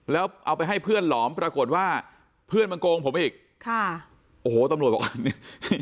แล้วเอาไปให้เพื่อนหลอมปรากฏว่าเพื่อนมาโกงผมอีกค่ะโอ้โหตำรวจบอกอันนี้